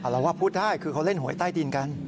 เราว่าพูดได้คือเขาเล่นหวยใต้ดินกัน